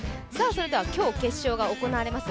今日決勝が行われます